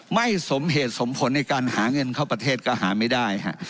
ไม่สมเหตุสมผลในการหาเงินเข้าประเทศก็หาไม่ได้